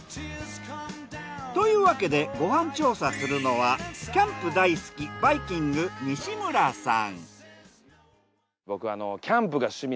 というわけでご飯調査するのはキャンプ大好きバイきんぐ西村さん。